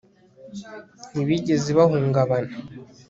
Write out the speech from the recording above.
ntibigeze bahungabana